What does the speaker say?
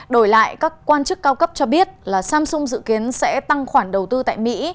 đổi lại các quan chức cao cấp cho biết là samsung dự kiến sẽ tăng khoản đầu tư tại mỹ